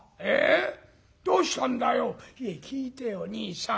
「聞いてよ兄さん。